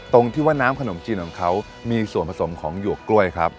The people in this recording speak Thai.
ตรงที่ว่าน้ำขนมจีนของเขามีส่วนผสมของหยวกกล้วยครับ